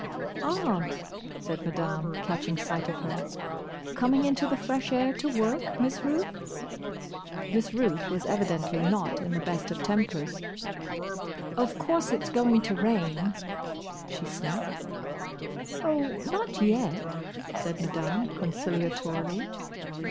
"Ah," said Madame, catching sight of her. "Coming into the fresh air to work, Miss Ruth?" Miss Ruth was evidently not in the best of tempers. "Of course it's going to rain," she snapped. "Oh, not yet," said Madame, conciliatorily.